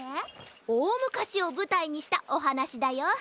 おおむかしをぶたいにしたおはなしだよ。